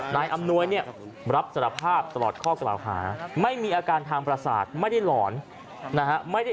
อำนวยเนี่ยรับสารภาพตลอดข้อกล่าวหาไม่มีอาการทางประสาทไม่ได้หลอนนะฮะ